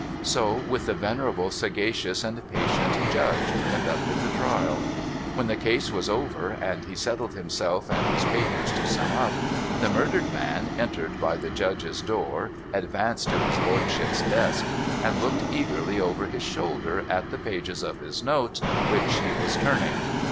So with the venerable, sagacious, and patient Judge who conducted the trial. When the case was over, and he settled himself and his papers to sum up, the murdered man, entering by the Judges' door, advanced to his Lordship's desk, and looked eagerly over his shoulder at the pages of his notes which he was turning.